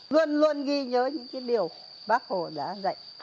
luôn luôn ghi nhớ những điều bác hồ đã dạy